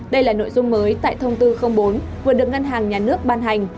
đây là nội dung mới tại thông tư bốn vừa được ngân hàng nhà nước ban hành